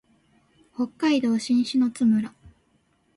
北海道新篠津村